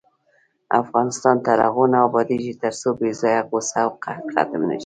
افغانستان تر هغو نه ابادیږي، ترڅو بې ځایه غوسه او قهر ختم نشي.